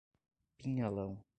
Pinhalão